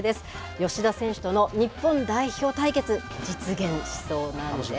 吉田選手との日本代表対決、実現しそうなんです。